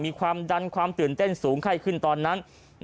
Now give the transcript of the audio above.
มีความดันความตื่นเต้นสูงไข้ขึ้นตอนนั้น